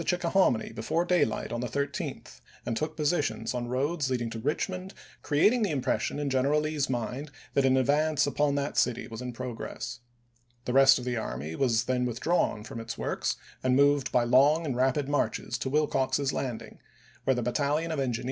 Chickahominy before daylight on the 13th, and took positions on roads leading to Eichmond, creating the impression in General Lee's mind that an advance upon that city was in progress. The rest of the army was then withdrawn from its works, and moved by long and rapid marches to Wilcox's landing, where the battalion of engineers con Hum phreys, "The Virginia Campaign of '64 and '65," p.